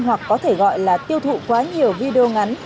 hoặc có thể gọi là tiêu thụ quá nhiều video ngắn